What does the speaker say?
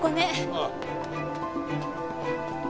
ああ。